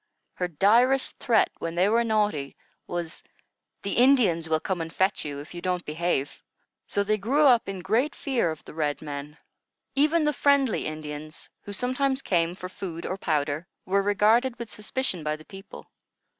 Her direst threat, when they were naughty, was, "The Indians will come and fetch you, if you don't behave." So they grew up in great fear of the red men. Even the friendly Indians, who sometimes came for food or powder, were regarded with suspicion by the people.